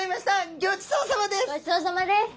ごちそうさまです！